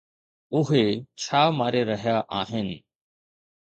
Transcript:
اهي ڇا ماري رهيا آهن؟